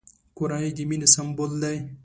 کورنۍ د مینې سمبول دی!